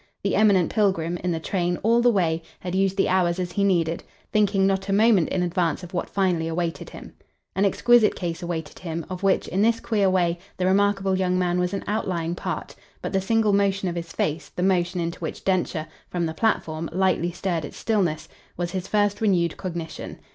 The eminent pilgrim, in the train, all the way, had used the hours as he needed, thinking not a moment in advance of what finally awaited him. An exquisite case awaited him of which, in this queer way, the remarkable young man was an outlying part; but the single motion of his face, the motion into which Densher, from the platform, lightly stirred its stillness, was his first renewed cognition.